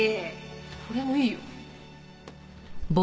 これもいいよ。